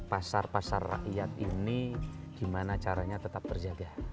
pasar pasar rakyat ini gimana caranya tetap terjaga